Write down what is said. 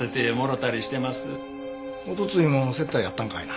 おとついも接待やったんかいな？